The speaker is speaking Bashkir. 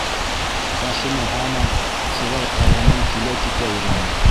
Хашимы һаман шулай ҡаланан килә-китә йөрөнө.